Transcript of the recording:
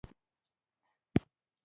جنرالان د تازه دمه قواوو په انتظار دي.